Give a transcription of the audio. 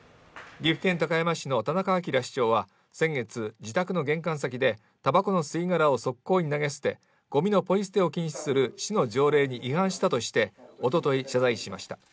岐阜県高山市の田中明市長は先月、自宅の玄関先で、たばこの吸い殻を側溝に投げ捨てごみのポイ捨てを禁止する市の条例に違反したとしておととい謝罪しました。